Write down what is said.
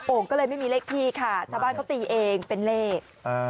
่งก็เลยไม่มีเลขที่ค่ะชาวบ้านเขาตีเองเป็นเลข